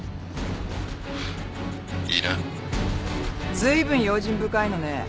ずいぶん用心深いのねぇ。